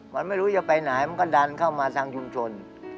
มันไม่รู้จะไปไหนมันก็ดันเข้ามาทางชุมชน